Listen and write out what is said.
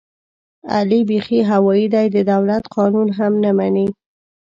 علي بیخي هوایي دی، د دولت قانون هم نه مني.